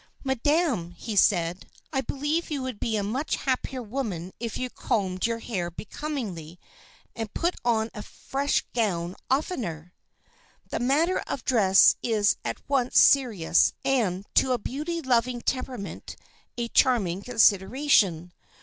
"Madam," he said, "I believe you would be a much happier woman if you combed your hair becomingly and put on a fresh gown oftener." The matter of dress is at once a serious and, to a beauty loving temperament, a charming consideration.